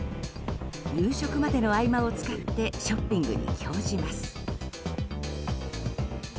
夕食までの合間を使ってショッピングに興じます。